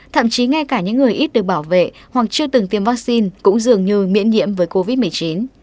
thậm chí ngay cả những người ít được bảo vệ hoặc chưa từng tiêm vaccine cũng dường như miễn nhiễm với covid một mươi chín